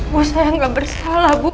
bu saya gak bersalah bu